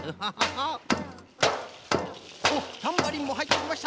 おっタンバリンもはいってきました！